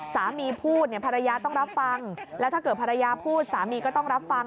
สามีพูดเนี่ยภรรยาต้องรับฟังแล้วถ้าเกิดภรรยาพูดสามีก็ต้องรับฟัง